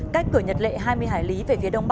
cách cửa nhật lệ hai mươi hải lý về phía đông bắc